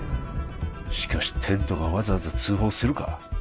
しかしテントがわざわざ通報するか？